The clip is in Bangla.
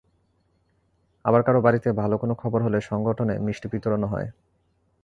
আবার কারও বাড়িতে ভালো কোনো খবর হলে সংগঠনে মিষ্টি বিতরণও হয়।